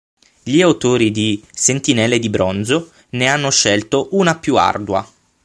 Gli autori di "Sentinelle di bronzo" ne hanno scelto una più ardua.